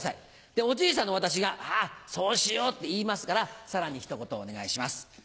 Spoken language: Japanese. おじいさんの私が「ああそうしよう」って言いますからさらにひと言お願いします。